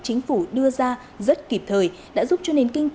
chính phủ đưa ra rất kịp thời đã giúp cho nền kinh tế